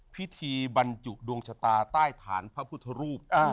พิธีบรรจุดวงชะตาใต้ฐานพระพุทธรูป